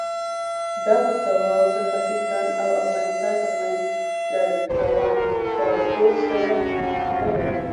دغه تړاو د پاکستان او افغانستان تر منځ له روان کړکېچ سره نه لري.